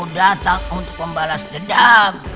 datang untuk membalas dendam